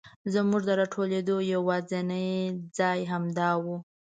زمونږ د راټولېدو یواځینی ځای همدا و.